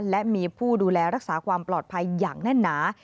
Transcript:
และมีผู้ดูแลรักษาความปลอดภัยอย่างแน่นหนา